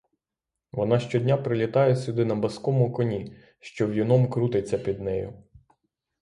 Вона щодня прилітає сюди на баскому коні, що в'юном крутиться під нею.